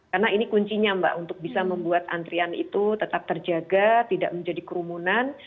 karena ini kuncinya mbak untuk bisa membuat antrian itu tetap terjaga tidak menjadi kerumunan